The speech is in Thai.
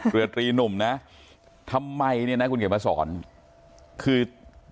เรือตรีหนุ่มนะทำไมเนี่ยนะคุณเขียนมาสอนคือ